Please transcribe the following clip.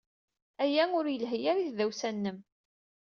Aya ur yelhi ara i tdawsa-nnem.